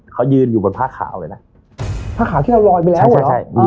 เขายืนอยู่บนผ้าขาวเลยนะผ้าขาวที่เราลอยไปแล้วใช่